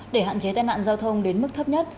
để hạn chế tai nạn giao thông đến mức thấp nhất